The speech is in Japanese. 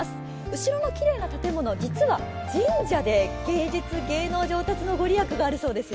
後ろのきれいな建物、実は神社で芸術、芸能の御利益があるそうですよ